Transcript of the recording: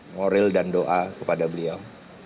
moral dan doa kepada beliau